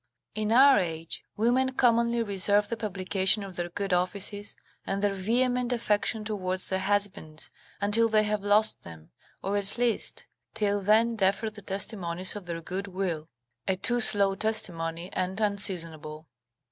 In our age, women commonly reserve the publication of their good offices, and their vehement affection towards their husbands, until they have lost them, or at least, till then defer the testimonies of their good will; a too slow testimony and unseasonable.